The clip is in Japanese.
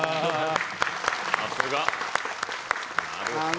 さすが。